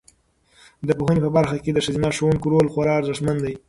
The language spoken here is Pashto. د پوهنې په برخه کې د ښځینه ښوونکو رول خورا ارزښتمن دی.